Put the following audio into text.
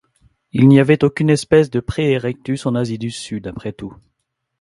Il n'y avait aucune espèce de pré-erectus en Asie du Sud, après tout.